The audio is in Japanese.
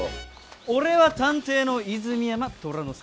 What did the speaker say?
俺は探偵の泉山虎之介。